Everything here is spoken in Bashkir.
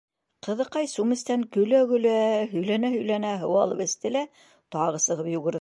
Ҡыҙыҡай сүместән көлә-көлә, һөйләнә-һөйләнә һыу алып эсте лә тағы сығып йүгерҙе.